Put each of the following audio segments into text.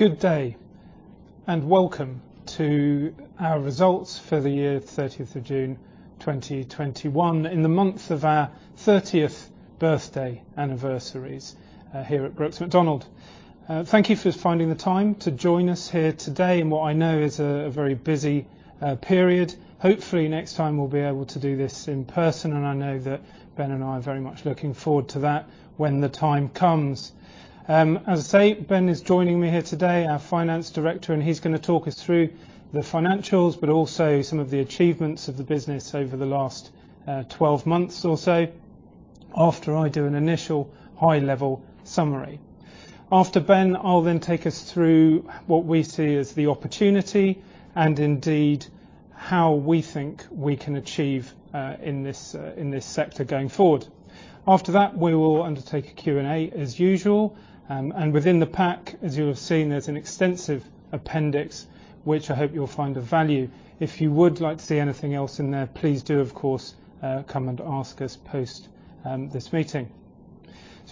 Good day, and welcome to our results for the year 30th of June, 2021, in the month of our 30th birthday anniversaries here at Brooks Macdonald. Thank you for finding the time to join us here today in what I know is a very busy period. Hopefully, next time we'll be able to do this in person. I know that Ben and I are very much looking forward to that when the time comes. As I say, Ben is joining me here today, our finance director. He's going to talk us through the financials, but also some of the achievements of the business over the last 12 months or so, after I do an initial high-level summary. After Ben, I'll take us through what we see as the opportunity and indeed how we think we can achieve in this sector going forward. After that, we will undertake a Q&A as usual. Within the pack, as you have seen, there's an extensive appendix which I hope you'll find of value. If you would like to see anything else in there, please do, of course, come and ask us post this meeting.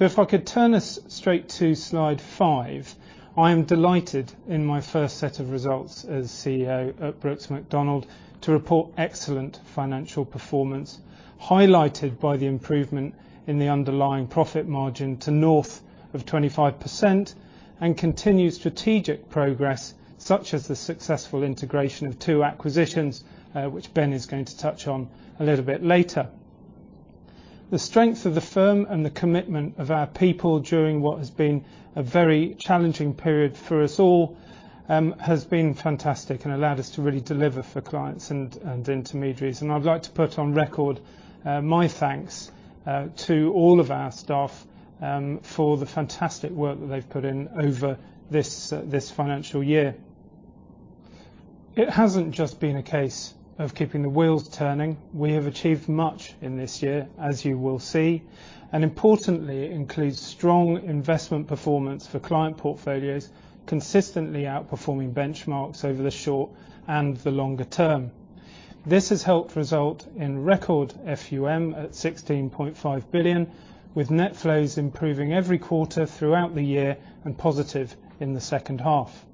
If I could turn us straight to slide five, I am delighted in my first set of results as CEO at Brooks Macdonald to report excellent financial performance, highlighted by the improvement in the underlying profit margin to north of 25% and continued strategic progress such as the successful integration of two acquisitions, which Ben is going to touch on a little bit later. The strength of the firm and the commitment of our people during what has been a very challenging period for us all has been fantastic and allowed us to really deliver for clients and intermediaries. I'd like to put on record my thanks to all of our staff for the fantastic work that they've put in over this financial year. It hasn't just been a case of keeping the wheels turning. We have achieved much in this year, as you will see, and importantly, it includes strong investment performance for client portfolios, consistently outperforming benchmarks over the short and the longer term. This has helped result in record FUM at 16.5 billion, with net flows improving every quarter throughout the year and positive in the second half.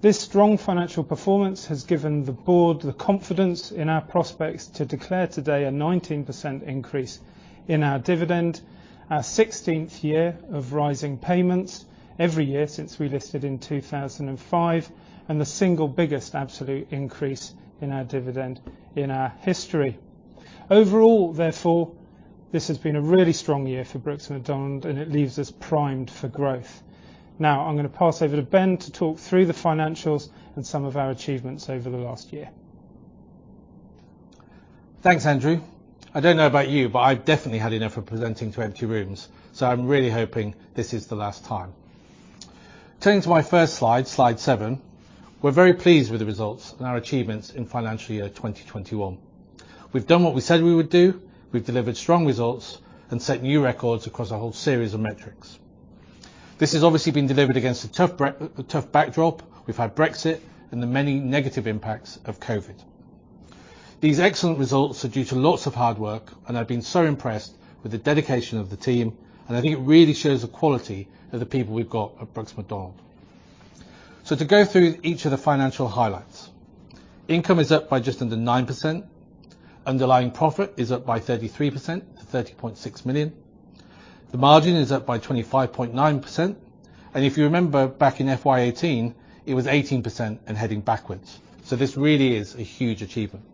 This strong financial performance has given the board the confidence in our prospects to declare today a 19% increase in our dividend, our 16th year of rising payments every year since we listed in 2005, and the single biggest absolute increase in our dividend in our history. Overall, therefore, this has been a really strong year for Brooks Macdonald, and it leaves us primed for growth. I'm going to pass over to Ben to talk through the financials and some of our achievements over the last year. Thanks, Andrew. I don't know about you but I've definitely had enough of presenting to empty rooms, so I'm really hoping this is the last time. Turning to my first slide seven, we're very pleased with the results and our achievements in financial year 2021. We've done what we said we would do. We've delivered strong results and set new records across a whole series of metrics. This has obviously been delivered against a tough backdrop. We've had Brexit and the many negative impacts of COVID. These excellent results are due to lots of hard work, and I've been so impressed with the dedication of the team, and I think it really shows the quality of the people we've got at Brooks Macdonald. To go through each of the financial highlights. Income is up by just under 9%. Underlying profit is up by 33% to 30.6 million. The margin is up by 25.9%. If you remember back in FY 2018, it was 18% and heading backwards. This really is a huge achievement.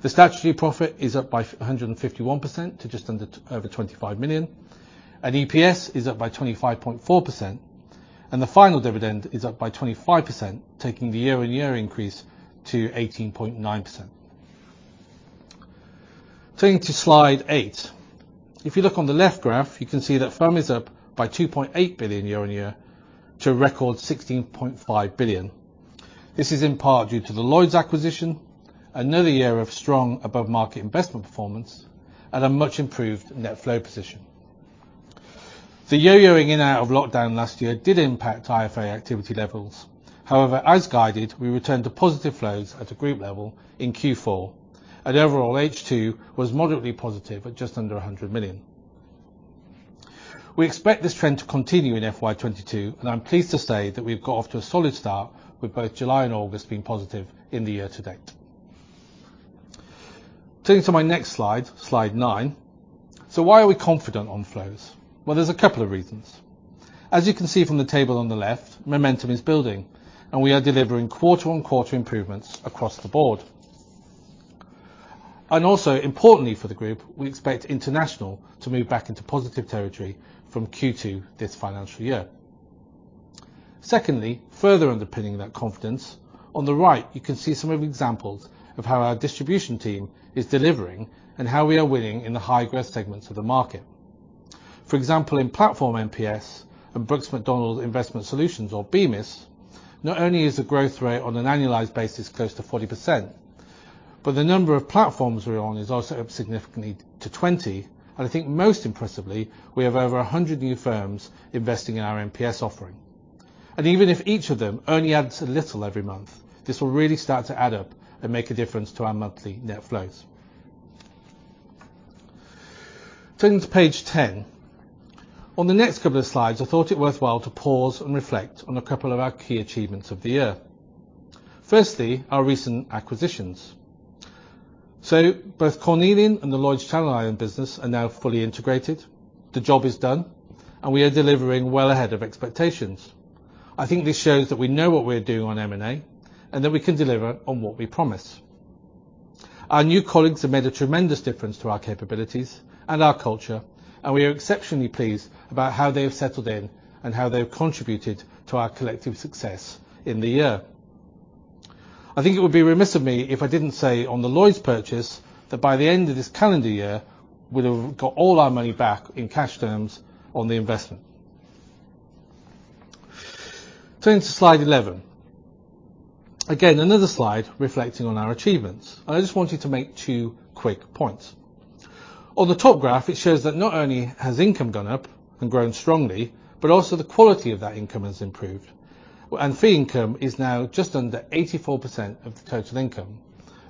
The statutory profit is up by 151% to just over 25 million. EPS is up by 25.4%. The final dividend is up by 25%, taking the year-on-year increase to 18.9%. Turning to slide eight. If you look on the left graph, you can see that FUM is up by 2.8 billion year-on-year to a record 16.5 billion. This is in part due to the Lloyds acquisition, another year of strong above-market investment performance, and a much improved net flow position. The yo-yoing in out of lockdown last year did impact IFA activity levels. However, as guided, we returned to positive flows at a group level in Q4, and overall, H2 was moderately positive at just under 100 million. We expect this trend to continue in FY 2022, and I'm pleased to say that we've got off to a solid start with both July and August being positive in the year to date. Turning to my next slide nine. Why are we confident on flows? Well, there's a couple of reasons. As you can see from the table on the left, momentum is building, and we are delivering quarter-on-quarter improvements across the board. Also, importantly for the group, we expect international to move back into positive territory from Q2 this financial year. Secondly, further underpinning that confidence, on the right, you can see some of the examples of how our distribution team is delivering and how we are winning in the high-growth segments of the market. For example, in platform MPS and Brooks Macdonald Investment Solutions, or BMIS, not only is the growth rate on an annualized basis close to 40%, but the number of platforms we're on is also up significantly to 20, and I think most impressively, we have over 100 new firms investing in our MPS offering. Even if each of them only adds a little every month, this will really start to add up and make a difference to our monthly net flows. Turning to page 10. On the next couple of slides, I thought it worthwhile to pause and reflect on a couple of our key achievements of the year. Firstly, our recent acquisitions. Both Cornelian and the Lloyds Channel Islands business are now fully integrated. The job is done, and we are delivering well ahead of expectations. I think this shows that we know what we're doing on M&A, and that we can deliver on what we promise. Our new colleagues have made a tremendous difference to our capabilities and our culture, and we are exceptionally pleased about how they have settled in and how they have contributed to our collective success in the year. I think it would be remiss of me if I didn't say on the Lloyds purchase, that by the end of this calendar year, we'd have got all our money back in cash terms on the investment. Turning to slide 11. Again, another slide reflecting on our achievements. I just wanted to make two quick points. On the top graph, it shows that not only has income gone up and grown strongly, but also the quality of that income has improved. Fee income is now just under 84% of the total income,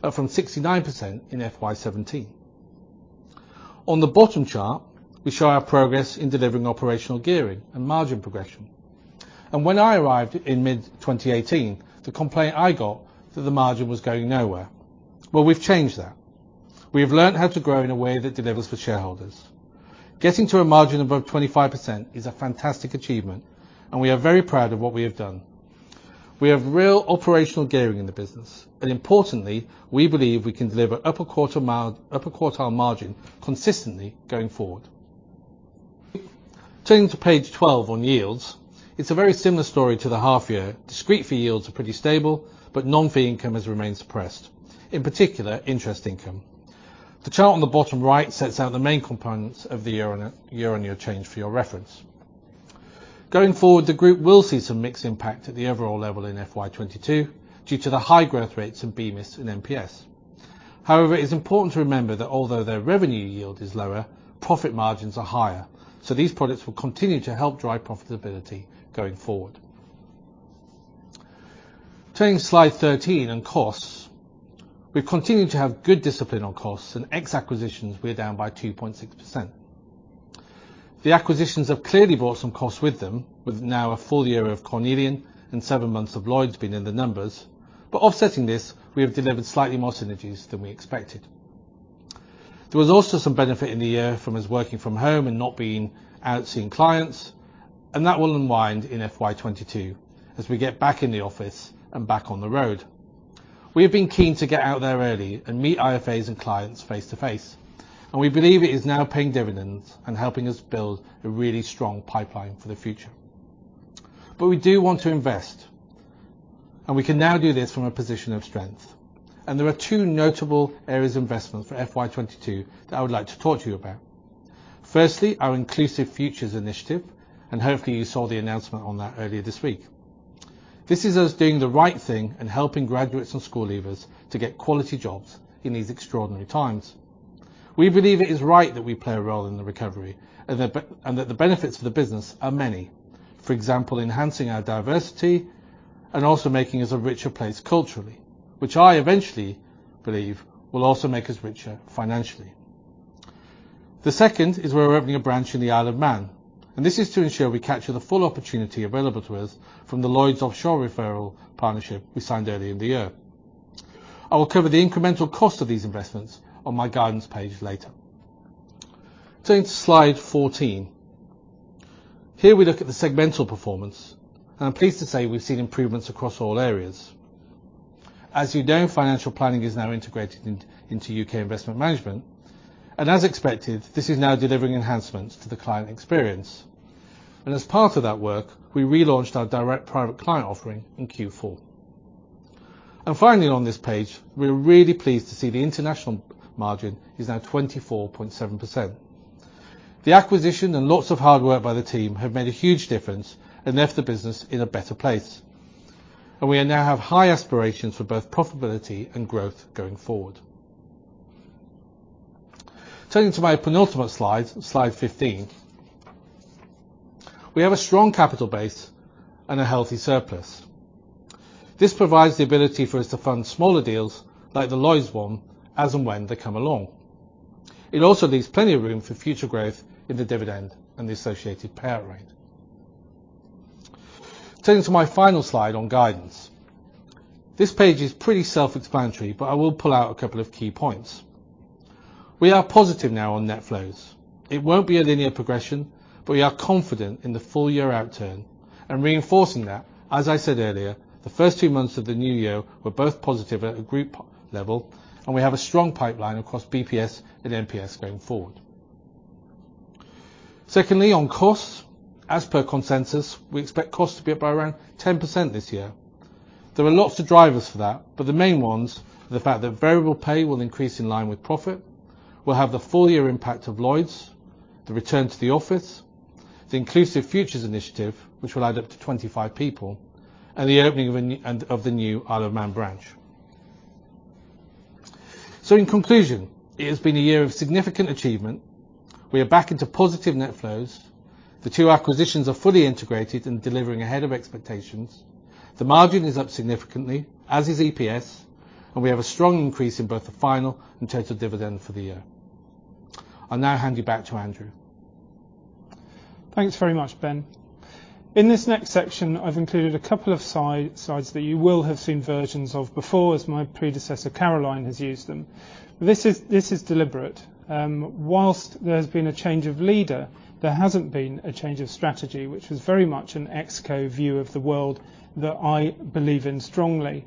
up from 69% in FY 2017. On the bottom chart, we show our progress in delivering operational gearing and margin progression. When I arrived in mid-2018, the complaint I got, that the margin was going nowhere. Well, we've changed that. We have learned how to grow in a way that delivers for shareholders. Getting to a margin above 25% is a fantastic achievement, and we are very proud of what we have done. We have real operational gearing in the business, and importantly, we believe we can deliver upper quartile margin consistently going forward. Turning to page 12 on yields. It's a very similar story to the half year. Discrete fee yields are pretty stable, but non-fee income has remained suppressed, in particular, interest income. The chart on the bottom right sets out the main components of the year-on-year change for your reference. Going forward, the group will see some mix impact at the overall level in FY 2022 due to the high growth rates in BMIS and MPS. It is important to remember that although their revenue yield is lower, profit margins are higher. These products will continue to help drive profitability going forward. Turning to slide 13 on costs. We've continued to have good discipline on costs, ex acquisitions, we are down by 2.6%. The acquisitions have clearly brought some costs with them. With now a full year of Cornelian and seven months of Lloyds being in the numbers. Offsetting this, we have delivered slightly more synergies than we expected. There was also some benefit in the year from us working from home and not being out seeing clients. That will unwind in FY 2022 as we get back in the office and back on the road. We have been keen to get out there early and meet IFAs and clients face-to-face. We believe it is now paying dividends and helping us build a really strong pipeline for the future. We do want to invest. We can now do this from a position of strength. There are two notable areas of investment for FY 2022 that I would like to talk to you about. Firstly, our Inclusive Futures initiative. Hopefully you saw the announcement on that earlier this week. This is us doing the right thing and helping graduates and school leavers to get quality jobs in these extraordinary times. We believe it is right that we play a role in the recovery and that the benefits for the business are many. For example, enhancing our diversity and also making us a richer place culturally, which I eventually believe will also make us richer financially. The second is we're opening a branch in the Isle of Man. This is to ensure we capture the full opportunity available to us from the Lloyds offshore referral partnership we signed earlier in the year. I will cover the incremental cost of these investments on my guidance page later. Turning to slide 14. Here we look at the segmental performance. I'm pleased to say we've seen improvements across all areas. As you know, financial planning is now integrated into U.K. investment management. As expected, this is now delivering enhancements to the client experience. As part of that work, we relaunched our direct private client offering in Q4. Finally on this page, we are really pleased to see the international margin is now 24.7%. The acquisition and lots of hard work by the team have made a huge difference and left the business in a better place. We now have high aspirations for both profitability and growth going forward. Turning to my penultimate slide 15. We have a strong capital base and a healthy surplus. This provides the ability for us to fund smaller deals like the Lloyds one, as and when they come along. It also leaves plenty of room for future growth in the dividend and the associated payout rate. Turning to my final slide on guidance. This page is pretty self-explanatory, but I will pull out a couple of key points. We are positive now on net flows. It won't be a linear progression, but we are confident in the full year outturn. Reinforcing that, as I said earlier, the first two months of the new year were both positive at a group level, and we have a strong pipeline across BPS and MPS going forward. Secondly, on costs. As per consensus, we expect costs to be up by around 10% this year. There are lots of drivers for that, but the main ones are the fact that variable pay will increase in line with profit. We'll have the full year impact of Lloyds, the return to the office, the Inclusive Futures initiative, which will add up to 25 people, and the opening of the new Isle of Man branch. In conclusion, it has been a year of significant achievement. We are back into positive net flows. The two acquisitions are fully integrated and delivering ahead of expectations. The margin is up significantly, as is EPS, and we have a strong increase in both the final and total dividend for the year. I'll now hand you back to Andrew. Thanks very much, Ben. In this next section, I've included a couple of slides that you will have seen versions of before as my predecessor, Caroline, has used them. This is deliberate. Whilst there's been a change of leader, there hasn't been a change of strategy, which was very much an Exco view of the world that I believe in strongly,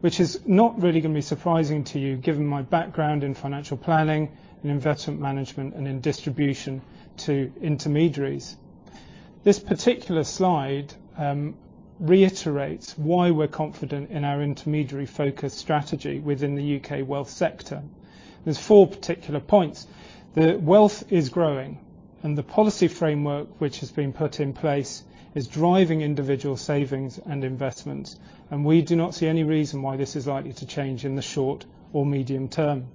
which is not really going to be surprising to you given my background in financial planning and investment management, and in distribution to intermediaries. This particular slide reiterates why we're confident in our intermediary-focused strategy within the U.K. wealth sector. There's four particular points. The wealth is growing, and the policy framework which has been put in place is driving individual savings and investments, and we do not see any reason why this is likely to change in the short or medium term.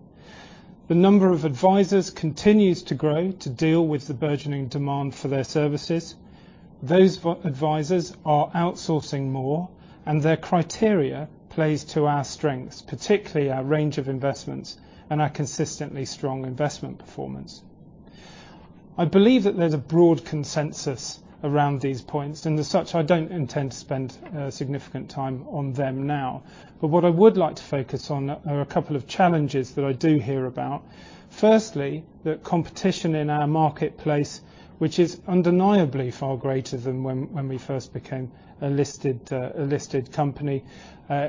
The number of advisors continues to grow to deal with the burgeoning demand for their services. Those advisors are outsourcing more, and their criteria plays to our strengths, particularly our range of investments and our consistently strong investment performance. I believe that there's a broad consensus around these points, and as such, I don't intend to spend a significant time on them now. What I would like to focus on are a couple of challenges that I do hear about. Firstly, the competition in our marketplace, which is undeniably far greater than when we first became a listed company,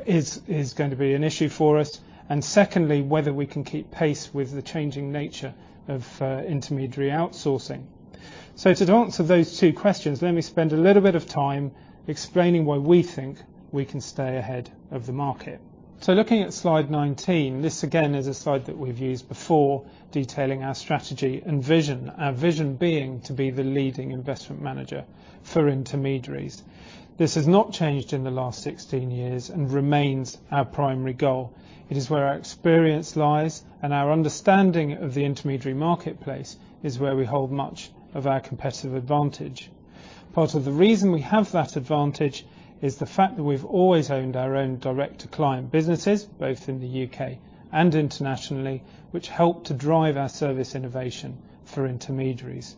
is going to be an issue for us. Secondly, whether we can keep pace with the changing nature of intermediary outsourcing. To answer those two questions, let me spend a little bit of time explaining why we think we can stay ahead of the market. Looking at slide 19, this again is a slide that we've used before detailing our strategy and vision. Our vision being to be the leading investment manager for intermediaries. This has not changed in the last 16 years and remains our primary goal. It is where our experience lies and our understanding of the intermediary marketplace is where we hold much of our competitive advantage. Part of the reason we have that advantage is the fact that we've always owned our own direct-to-client businesses, both in the U.K. and internationally, which help to drive our service innovation for intermediaries.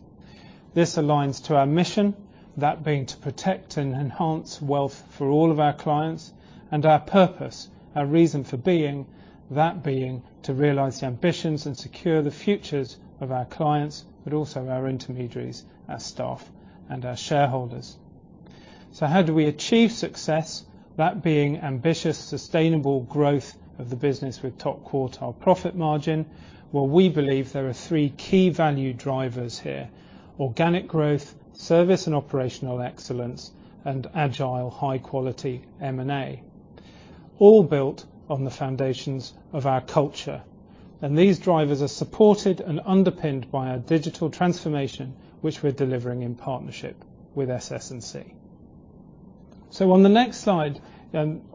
This aligns to our mission, that being to protect and enhance wealth for all of our clients, and our purpose, our reason for being, that being to realize the ambitions and secure the futures of our clients, but also our intermediaries, our staff, and our shareholders. How do we achieve success? That being ambitious, sustainable growth of the business with top quartile profit margin, well, we believe there are three key value drivers here. Organic growth, service and operational excellence, and agile, high-quality M&A, all built on the foundations of our culture. These drivers are supported and underpinned by our digital transformation which we're delivering in partnership with SS&C. On the next slide,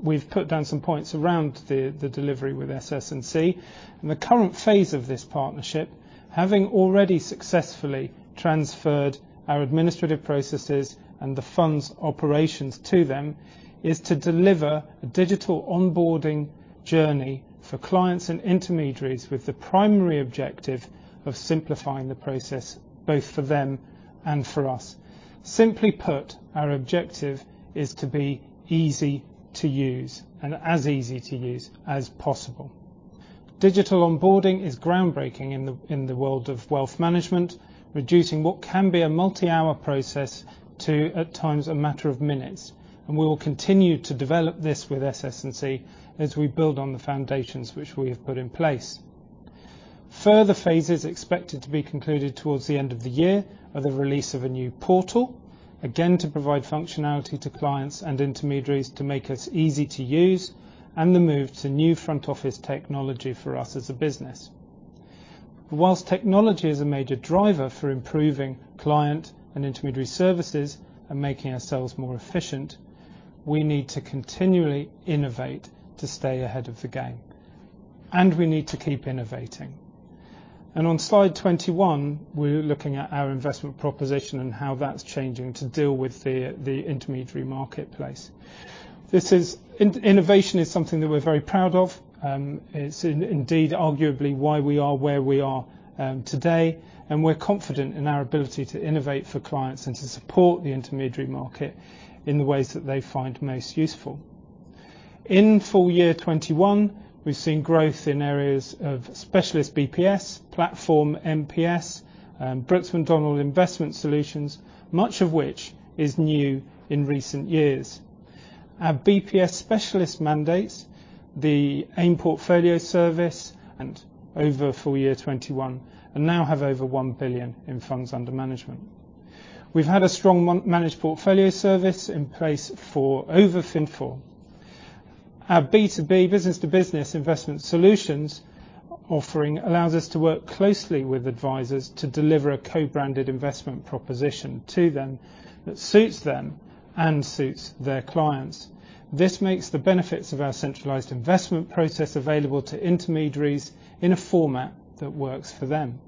we've put down some points around the delivery with SS&C. The current phase of this partnership, having already successfully transferred our administrative processes and the funds operations to them, is to deliver a digital onboarding journey for clients and intermediaries with the primary objective of simplifying the process both for them and for us. Simply put, our objective is to be easy to use and as easy to use as possible. Digital onboarding is groundbreaking in the world of wealth management, reducing what can be a multi-hour process to, at times, a matter of minutes. We will continue to develop this with SS&C as we build on the foundations which we have put in place. Further phases expected to be concluded towards the end of the year are the release of a new portal, again, to provide functionality to clients and intermediaries to make us easy to use, and the move to new front office technology for us as a business. Whilst technology is a major driver for improving client and intermediary services and making ourselves more efficient, we need to continually innovate to stay ahead of the game. We need to keep innovating. On slide 21, we're looking at our investment proposition and how that's changing to deal with the intermediary marketplace. Innovation is something that we are very proud of. It is indeed arguably why we are where we are today, and we are confident in our ability to innovate for clients and to support the intermediary market in the ways that they find most useful. In full year 2021, we have seen growth in areas of specialist BPS, platform MPS, and Brooks Macdonald Investment Solutions, much of which is new in recent years. Our BPS specialist mandates the AIM Portfolio Service and over full year 2021 and now have over 1 billion in funds under management. We have had a strong Managed Portfolio Service in place for over 15 years. Our B2B, business-to-business investment solutions offering allows us to work closely with advisors to deliver a co-branded investment proposition to them that suits them and suits their clients. This makes the benefits of our centralized investment process available to intermediaries in a format that works for them.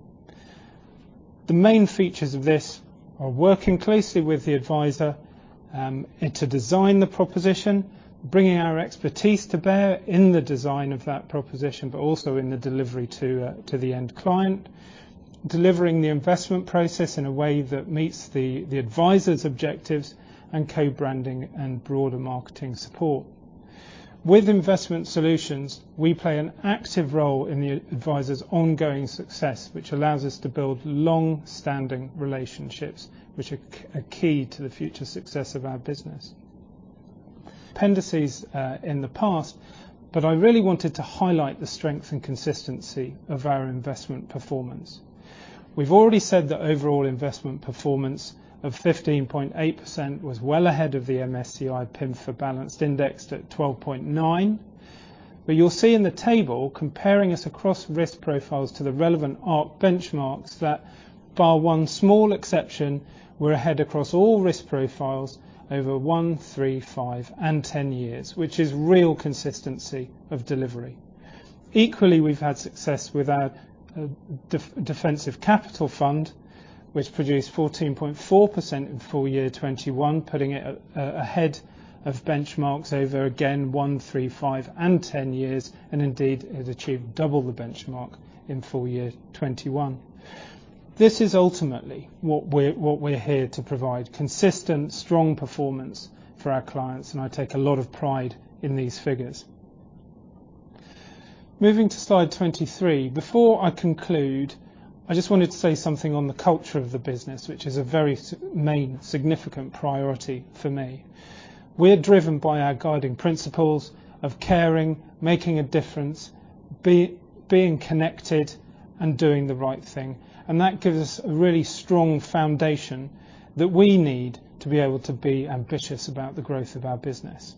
The main features of this are working closely with the advisor, to design the proposition, bringing our expertise to bear in the design of that proposition but also in the delivery to the end client, delivering the investment process in a way that meets the advisor's objectives, and co-branding and broader marketing support. With Brooks Macdonald Investment Solutions, we play an active role in the advisor's ongoing success, which allows us to build long-standing relationships, which are key to the future success of our business. Appendices in the past, but I really wanted to highlight the strength and consistency of our investment performance. We've already said that overall investment performance of 15.8% was well ahead of the MSCI PIMFA Private Investor Balanced Index at 12.9%. You'll see in the table comparing us across risk profiles to the relevant ARC benchmarks that, bar one small exception, we're ahead across all risk profiles over one, three, five and 10 years, which is real consistency of delivery. Equally, we've had success with our Defensive Capital Fund, which produced 14.4% in full year 2021, putting it ahead of benchmarks over, again, one, three, five and 10 years, and indeed, it achieved double the benchmark in full year 2021. This is ultimately what we're here to provide, consistent, strong performance for our clients, and I take a lot of pride in these figures. Moving to slide 23, before I conclude, I just wanted to say something on the culture of the business, which is a very main, significant priority for me. We're driven by our guiding principles of caring, making a difference, being connected, and doing the right thing, and that gives us a really strong foundation that we need to be able to be ambitious about the growth of our business.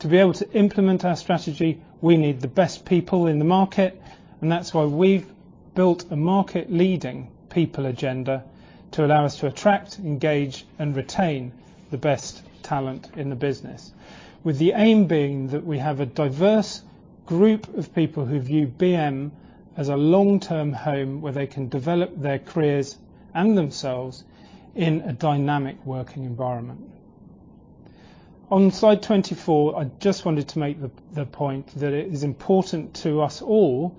To be able to implement our strategy, we need the best people in the market, and that's why we've built a market-leading people agenda to allow us to attract, engage, and retain the best talent in the business, with the aim being that we have a diverse group of people who view BM as a long-term home where they can develop their careers and themselves in a dynamic working environment. On slide 24, I just wanted to make the point that it is important to us all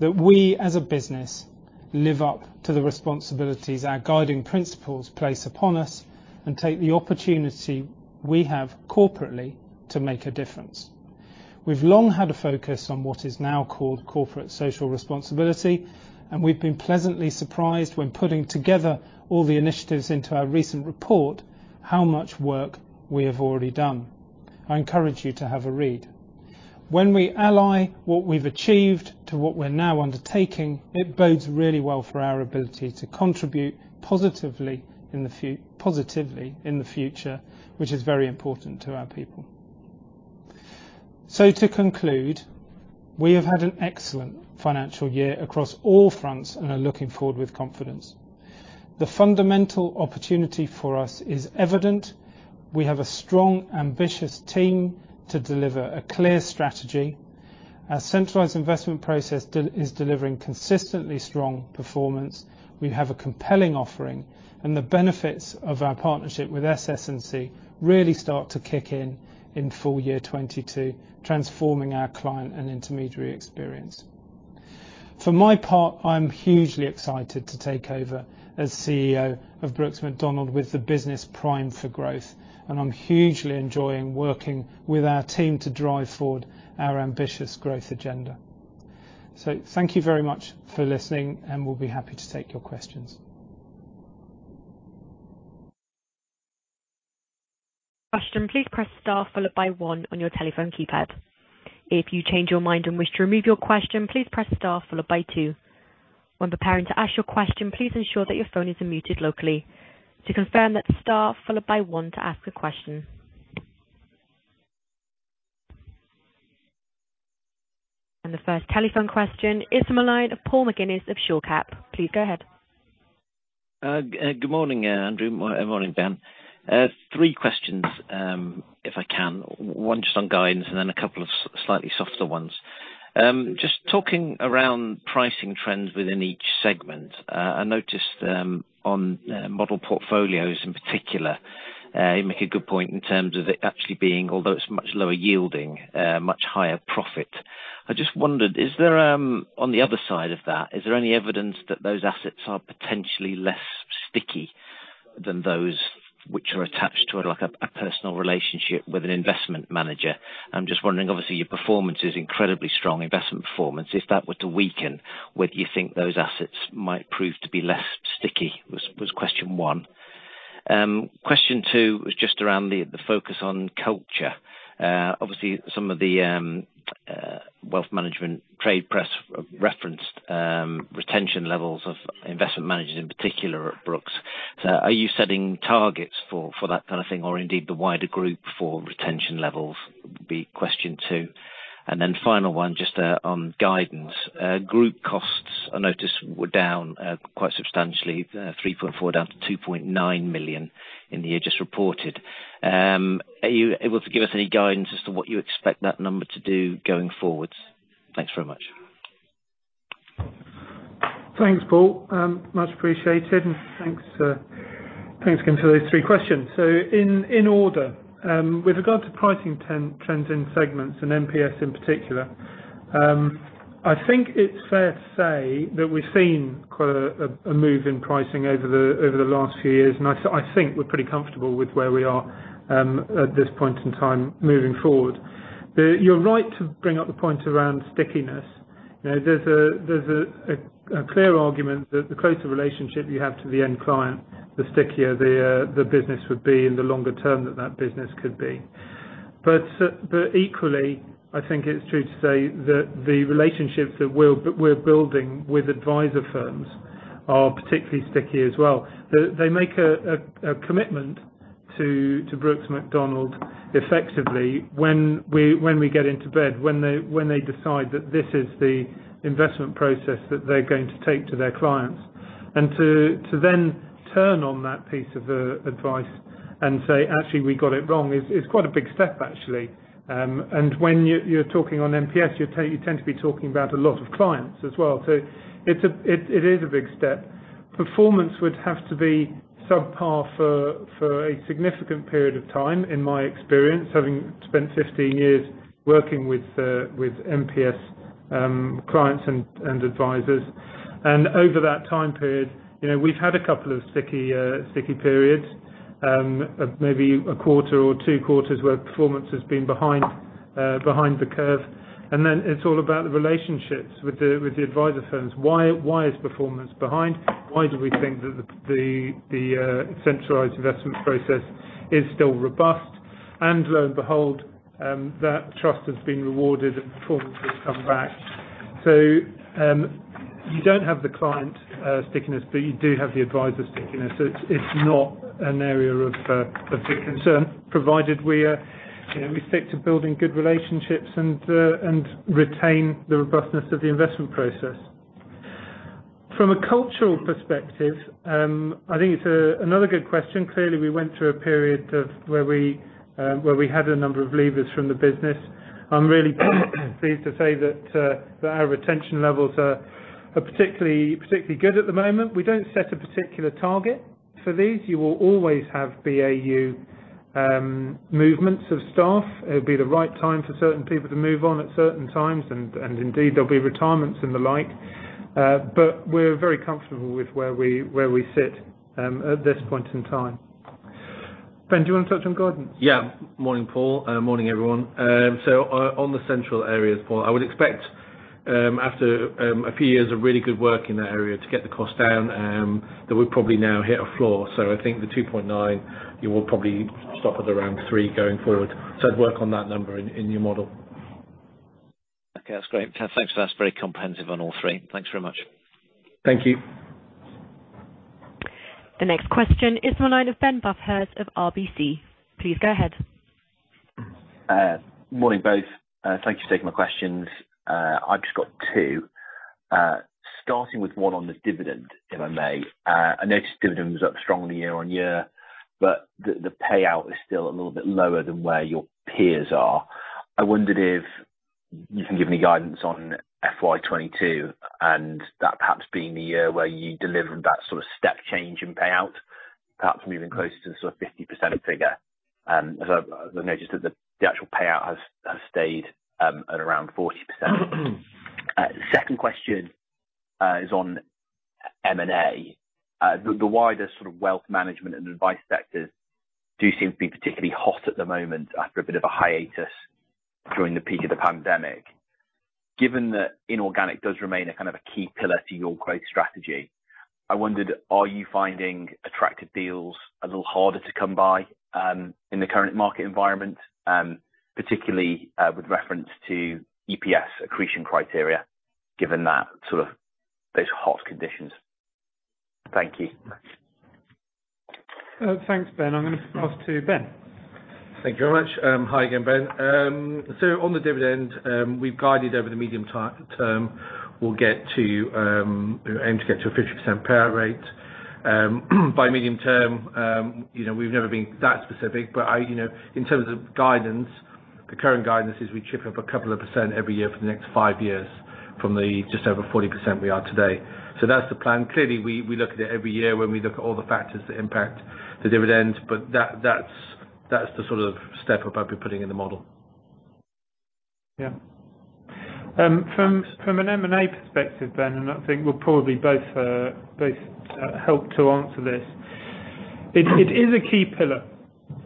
that we, as a business, live up to the responsibilities our guiding principles place upon us and take the opportunity we have corporately to make a difference. We've long had a focus on what is now called corporate social responsibility, and we've been pleasantly surprised when putting together all the initiatives into our recent report, how much work we have already done. I encourage you to have a read. When we ally what we've achieved to what we're now undertaking, it bodes really well for our ability to contribute positively in the future, which is very important to our people. To conclude, we have had an excellent financial year across all fronts and are looking forward with confidence. The fundamental opportunity for us is evident. We have a strong, ambitious team to deliver a clear strategy. Our centralized investment process is delivering consistently strong performance. We have a compelling offering, and the benefits of our partnership with SS&C really start to kick in full year 2022, transforming our client and intermediary experience. For my part, I'm hugely excited to take over as CEO of Brooks Macdonald with the business primed for growth, and I'm hugely enjoying working with our team to drive forward our ambitious growth agenda. Thank you very much for listening, and we'll be happy to take your questions. Question, please press star followed by one on your telephone keypad. If you change your mind and wish to remove your question, please press star followed by two. When preparing to ask your question, please ensure that your phone is unmuted locally. To confirm that's star followed by one to ask a question. The first telephone question is the line of Paul McGinnis of Shore Capital. Please go ahead. Good morning, Andrew. Morning, Ben. Three questions, if I can. Once on guidance then a couple of slightly softer ones. Just talking around pricing trends within each segment, I noticed on model portfolios in particular, you make a good point in terms of it actually being, although it's much lower yielding, much higher profit. I just wondered, on the other side of that, is there any evidence that those assets are potentially less sticky than those which are attached to a personal relationship with an investment manager? I'm just wondering, obviously, your performance is incredibly strong, investment performance. If that were to weaken, whether you think those assets might prove to be less sticky, was question one. Question two was just around the focus on culture. Obviously, some of the wealth management trade press referenced retention levels of investment managers, in particular at Brooks. Are you setting targets for that kind of thing, or indeed the wider group for retention levels, would be question two. Final one, just on guidance. Group costs, I noticed, were down quite substantially, 3.4 million down to 2.9 million in the year just reported. Are you able to give us any guidance as to what you expect that number to do going forward? Thanks very much. Thanks, Paul. Much appreciated. Thanks again for those three questions. In order, with regard to pricing trends in segments and MPS in particular, I think it's fair to say that we've seen quite a move in pricing over the last few years, and I think we're pretty comfortable with where we are at this point in time moving forward. You're right to bring up the point around stickiness. There's a clear argument that the closer relationship you have to the end client, the stickier the business would be in the longer term that that business could be. Equally, I think it's true to say that the relationships that we're building with advisor firms are particularly sticky as well. They make a commitment to Brooks Macdonald effectively when we get into bed, when they decide that this is the investment process that they're going to take to their clients. To then turn on that piece of advice and say, Actually, we got it wrong, is quite a big step, actually. When you're talking on MPS, you tend to be talking about a lot of clients as well. It is a big step. Performance would have to be subpar for a significant period of time, in my experience, having spent 15 years working with MPS clients and advisors. Over that time period, we've had a couple of sticky periods, maybe a quarter or two quarters where performance has been behind the curve. Then it's all about the relationships with the advisor firms. Why is performance behind? Why do we think that the centralized investment process is still robust? Lo and behold, that trust has been rewarded and performance has come back. You don't have the client stickiness but you do have the advisor stickiness. It's not an area of big concern, provided we stick to building good relationships and retain the robustness of the investment process. From a cultural perspective, I think it's another good question. Clearly, we went through a period where we had a number of leavers from the business. I'm really pleased to say that our retention levels are particularly good at the moment. We don't set a particular target for these. You will always have BAU movements of staff. It would be the right time for certain people to move on at certain times, and indeed, there'll be retirements and the like. We're very comfortable with where we sit at this point in time. Ben, do you want to touch on guidance? Yeah. Morning, Paul. Morning, everyone. On the central areas, Paul, I would expect, after a few years of really good work in that area to get the cost down, that we've probably now hit a floor. I think the 2.9, you will probably stop at around three going forward. I'd work on that number in your model. Okay. That's great. Thanks for that. It's very comprehensive on all three. Thanks very much. Thank you. The next question is the line of Ben Bathurst of RBC. Please go ahead. Morning, both. Thanks for taking my questions. I've just got two. Starting with one on the dividend, if I may. I noticed dividend was up strongly year-on-year but the payout is still a little bit lower than where your peers are. I wondered if you can give me guidance on FY 2022 and that perhaps being the year where you delivered that sort of step change in payout, perhaps moving closer to the sort of 50% figure. As I've noticed that the actual payout has stayed at around 40%. Second question is on M&A. The wider sort of wealth management and advice sectors do seem to be particularly hot at the moment after a bit of a hiatus during the peak of the pandemic. Given that inorganic does remain a kind of a key pillar to your growth strategy, I wondered, are you finding attractive deals a little harder to come by in the current market environment, particularly with reference to EPS accretion criteria, given that sort of those hot conditions? Thank you. Thanks, Ben. I'm going to pass to Ben. Thank you very much. Hi again, Ben. On the dividend, we've guided over the medium term, we aim to get to a 50% payout rate. By medium term, we've never been that specific but in terms of guidance, the current guidance is we chip up a couple of percent every year for the next five years from the just over 40% we are today. That's the plan. Clearly, we look at it every year when we look at all the factors that impact the dividend but that's the sort of step up I'd be putting in the model. Yeah. From an M&A perspective, Ben, I think we'll probably both help to answer this, it is a key pillar.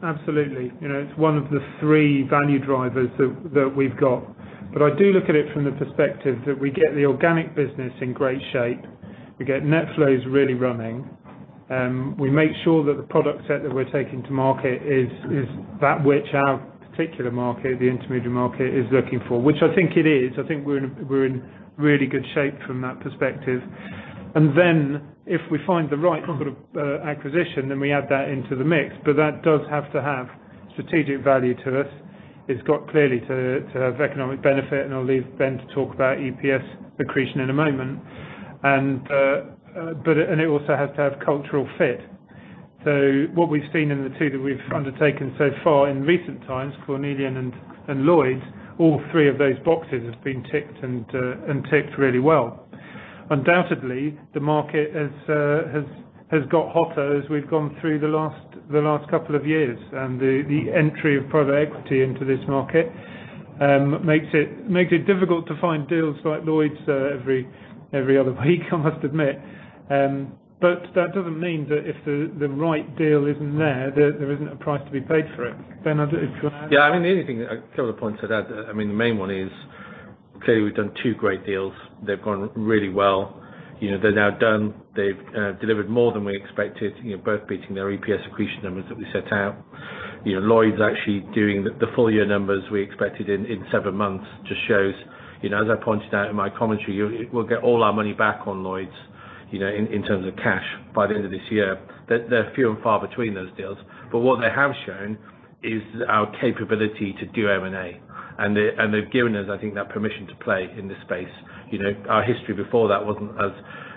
Absolutely. It's one of the three value drivers that we've got. I do look at it from the perspective that we get the organic business in great shape, we get net flows really running, we make sure that the product set that we're taking to market is that which our particular market, the intermediary market, is looking for, which I think it is. I think we're in really good shape from that perspective. If we find the right sort of acquisition, then we add that into the mix. That does have to have strategic value to us. It's got clearly to have economic benefit. I'll leave Ben to talk about EPS accretion in a moment. It also has to have cultural fit. What we've seen in the two that we've undertaken so far in recent times, Cornelian and Lloyds, all three of those boxes have been ticked and ticked really well. The market has got hotter as we've gone through the last couple of years. The entry of private equity into this market makes it difficult to find deals like Lloyds every other week I must admit. That doesn't mean that if the right deal isn't there isn't a price to be paid for it. Ben, do you want to add? A couple of points to that. The main one is, clearly, we've done two great deals. They've gone really well. They're now done. They've delivered more than we expected, both beating their EPS accretion numbers that we set out. Lloyds actually doing the full year numbers we expected in seven months just shows. As I pointed out in my commentary, we'll get all our money back on Lloyds in terms of cash by the end of this year. They're few and far between those deals. What they have shown is our capability to do M&A, and they've given us, I think, that permission to play in this space. Our history before that wasn't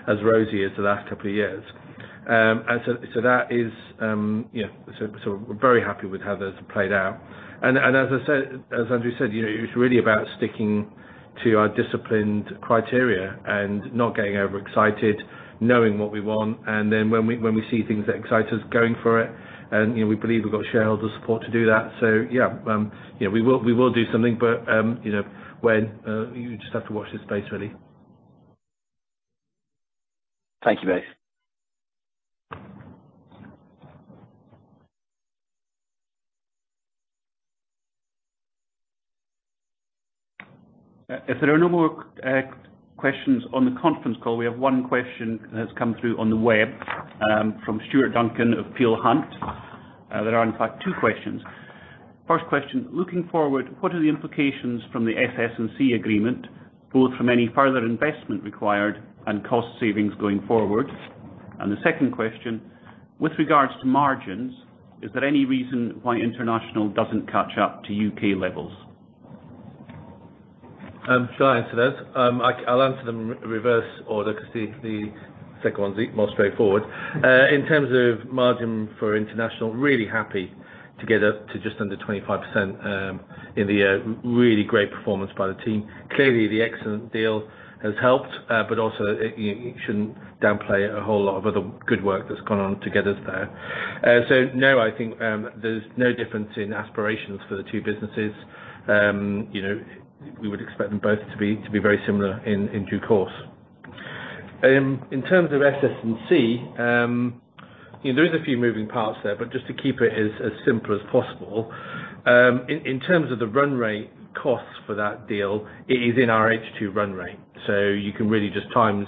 as rosy as the last couple of years. We're very happy with how those have played out. As Andrew said, it's really about sticking to our disciplined criteria and not getting overexcited, knowing what we want, and then when we see things that excite us, going for it. We believe we've got shareholder support to do that. Yeah, we will do something, but when? You just have to watch this space, really. Thank you both. If there are no more questions on the conference call, we have one question that has come through on the web from Stuart Duncan of Peel Hunt. There are in fact two questions. First question, looking forward, what are the implications from the SS&C agreement, both from any further investment required and cost savings going forward? The second question, with regards to margins, is there any reason why international doesn't catch up to U.K. levels? I'll answer those. I'll answer them in reverse order because the second one's more straightforward. In terms of margin for international, really happy to get up to just under 25% in the year. Really great performance by the team. Clearly, the excellent deal has helped, also you shouldn't downplay a whole lot of other good work that's gone on to get us there. No, I think there's no difference in aspirations for the two businesses. We would expect them both to be very similar in due course. In terms of SS&C, there is a few moving parts there, just to keep it as simple as possible. In terms of the run rate costs for that deal, it is in our H2 run rate. You can really just times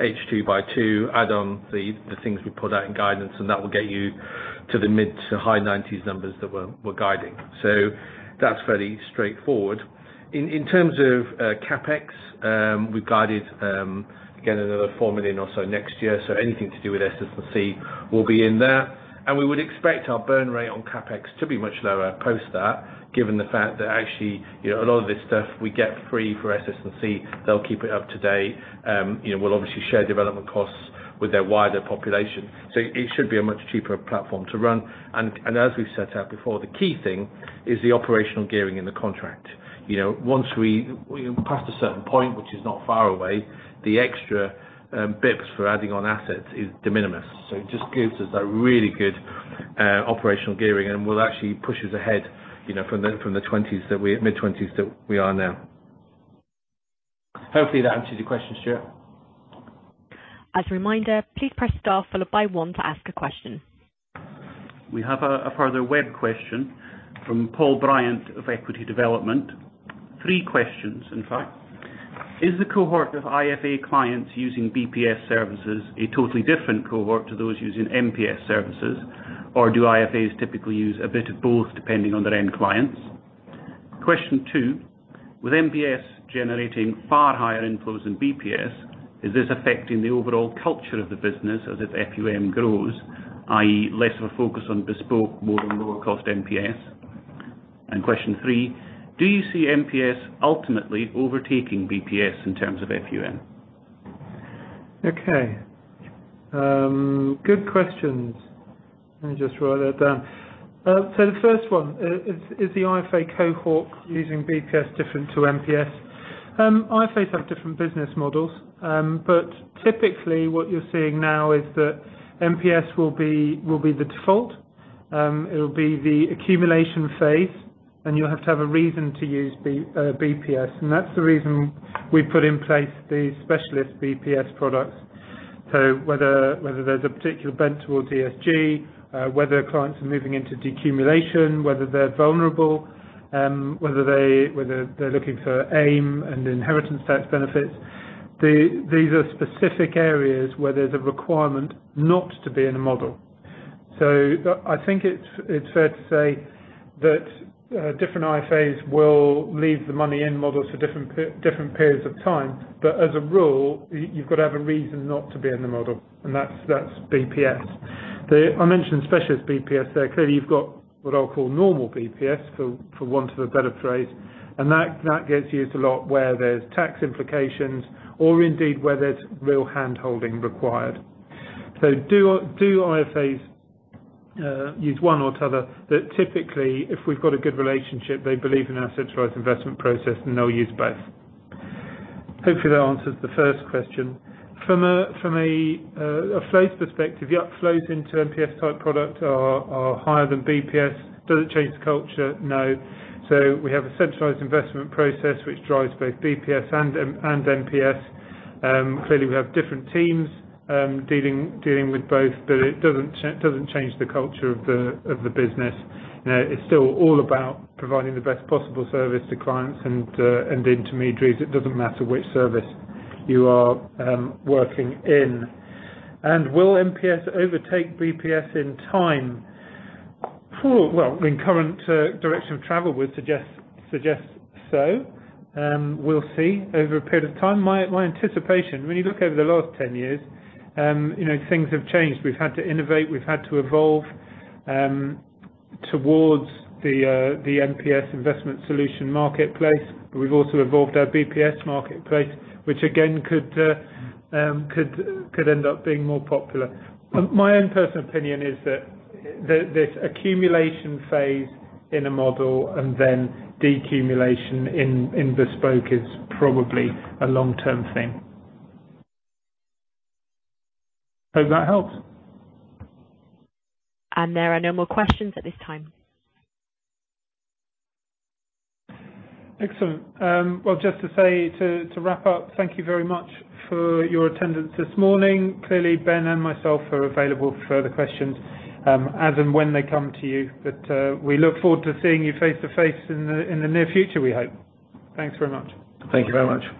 H2 by two, add on the things we put out in guidance, and that will get you to the mid to high 90s numbers that we are guiding. That's fairly straightforward. In terms of CapEx, we have guided, again, another 4 million or so next year. Anything to do with SS&C will be in there. We would expect our burn rate on CapEx to be much lower post that, given the fact that actually, a lot of this stuff we get free for SS&C. They'll keep it up to date. We'll obviously share development costs with their wider population. It should be a much cheaper platform to run. As we have set out before, the key thing is the operational gearing in the contract. Once we pass a certain point, which is not far away, the extra bits for adding on assets is de minimis. It just gives us that really good operational gearing and will actually push us ahead, from the mid-20s that we are now. Hopefully, that answers your question, Stuart. As a reminder, please press star followed by one to ask a question. We have a further web question from Paul Bryant of Equity Development. Three questions, in fact. Is the cohort of IFA clients using BPS services a totally different cohort to those using MPS services, or do IFAs typically use a bit of both, depending on their end clients? Question two, with MPS generating far higher inflows than BPS, is this affecting the overall culture of the business as its FUM grows, i.e., less of a focus on Bespoke, more on lower cost MPS? Question three, do you see MPS ultimately overtaking BPS in terms of FUM? Okay. Good questions. Let me just write that down. The first one, is the IFA cohort using BPS different to MPS? IFAs have different business models. Typically, what you're seeing now is that MPS will be the default. It'll be the accumulation phase, and you'll have to have a reason to use BPS. That's the reason we put in place the specialist BPS products. Whether there's a particular bent towards ESG, whether clients are moving into decumulation, whether they're vulnerable, whether they're looking for AIM and inheritance tax benefits, these are specific areas where there's a requirement not to be in a model. I think it's fair to say that different IFAs will leave the money in models for different periods of time. As a rule, you've got to have a reason not to be in the model, and that's BPS. I mentioned specialist BPS there. Clearly, you've got what I'll call normal BPS, for want of a better phrase, and that gets used a lot where there's tax implications or indeed where there's real hand-holding required. Do IFAs use one or t'other? That typically, if we've got a good relationship, they believe in our centralized investment process, and they'll use both. Hopefully, that answers the first question. From a flows perspective, yep, flows into MPS type product are higher than BPS. Does it change the culture? No. We have a centralized investment process which drives both BPS and MPS. Clearly, we have different teams dealing with both, but it doesn't change the culture of the business. It's still all about providing the best possible service to clients and intermediaries. It doesn't matter which service you are working in. Will MPS overtake BPS in time? In current direction of travel would suggest so. We'll see over a period of time. My anticipation, when you look over the last 10 years, things have changed. We've had to innovate, we've had to evolve towards the MPS investment solution marketplace, but we've also evolved our BMIS marketplace, which again could end up being more popular. My own personal opinion is that this accumulation phase in a model and then decumulation in bespoke is probably a long-term thing. Hope that helps. There are no more questions at this time. Excellent. Well, just to say, to wrap up, thank you very much for your attendance this morning. Clearly, Ben and myself are available for further questions as and when they come to you. We look forward to seeing you face-to-face in the near future, we hope. Thanks very much. Thank you very much.